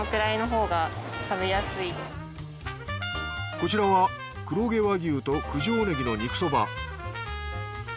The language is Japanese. こちらは黒毛和牛と九条ネギの肉そば